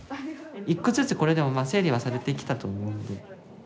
１個ずつこれでもまあ整理はされてきたと思うんで。